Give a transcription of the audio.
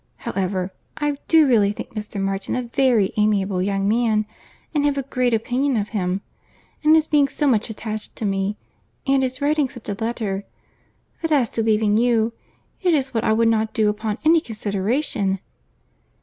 However, I do really think Mr. Martin a very amiable young man, and have a great opinion of him; and his being so much attached to me—and his writing such a letter—but as to leaving you, it is what I would not do upon any consideration."